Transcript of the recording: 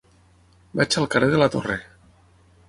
Vaig al carrer de la Torre.